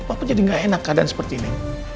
apa jadi gak enak keadaan seperti ini